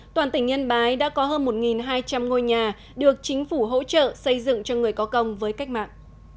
toàn tỉnh nhân bái đã có hơn một hai trăm linh ngôi nhà được chính phủ hỗ trợ xây dựng cho người có công với cách mạng